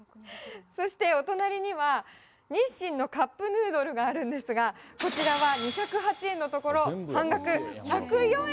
そしてお隣には、日清のカップヌードルがあるんですが、こちらは２０８円のところ、半額１０４円！